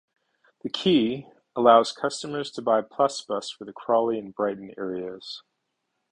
The Key allows customers to buy Plusbus for the Crawley and Brighton areas.